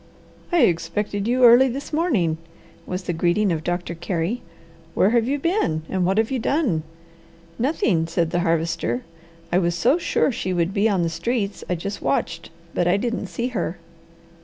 "I expected you early this morning," was the greeting of Doctor Carey. "Where have you been and what have you done?" "Nothing," said the Harvester. "I was so sure she would be on the streets I just watched, but I didn't see her."